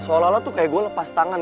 soalnya lo tuh kayak gue lepas tangan